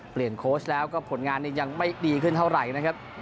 โค้ชแล้วก็ผลงานนี้ยังไม่ดีขึ้นเท่าไหร่นะครับ